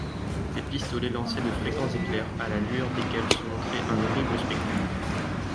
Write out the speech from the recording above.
Les pistolets lançaient de fréquents éclairs à la lueur desquels se montrait un horrible spectacle.